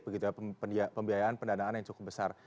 begitu pembayaran pendanaan yang cukup besar